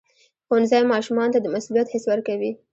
ښوونځی ماشومانو ته د مسؤلیت حس ورکوي.